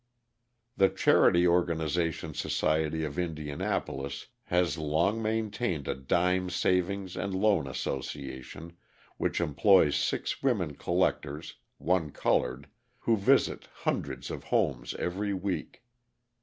The Charity Organisation Society of Indianapolis has long maintained a dime savings and loan association which employs six women collectors, one coloured, who visit hundreds of homes every week.